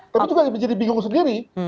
tapi juga menjadi bingung sendiri